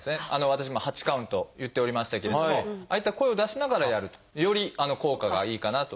私も８カウント言っておりましたけれどもああいった声を出しながらやるとより効果がいいかなと思います。